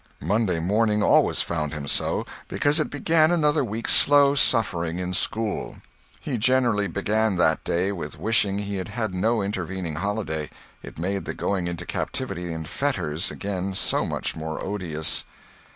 Monday morning always found him so—because it began another week's slow suffering in school. He generally began that day with wishing he had had no intervening holiday, it made the going into captivity and fetters again so much more odious.